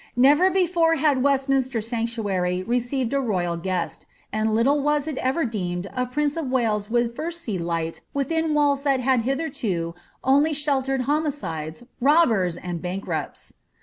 Never before had Westminister Sanc tuary received a royal guest, and little was it ever deemed a prince of Wales would first see light within walls that had hitherto only sheltered homicides, robbers, and bankrupts.